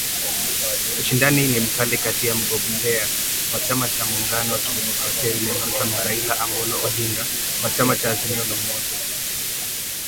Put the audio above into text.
Ushindani ni mkali kati ya mgombea wa chama cha Muungano wa kidemokrasia William Ruto na Raila Amollo Odinga wa chama cha Azimio la Umoja.